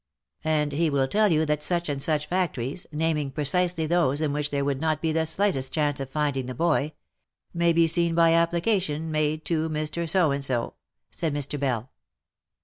"And he will tell you that such and such factories — naming pre cisely those in which there would not be the slightest chance of find ing the boy — may be seen by application made to Mr. So and so," said Mr. Bell.